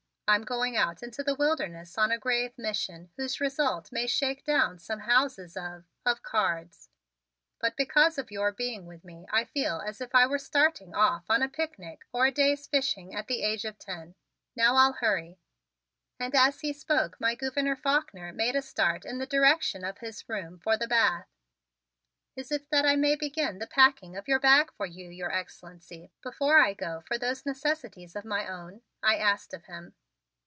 I'm going out into the wilderness on a grave mission whose result may shake down some houses of of cards, but because of your being with me I feel as if I were starting off on a picnic or a day's fishing at the age of ten. Now, I'll hurry." And as he spoke my Gouverneur Faulkner made a start in the direction of his room for the bath. "Is it that I may begin the packing of your bag for you, Your Excellency, before I go for those necessities of my own?" I asked of him.